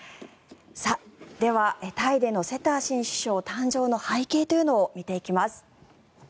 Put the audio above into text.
では、タイでのセター新首相誕生の背景を見ていきます。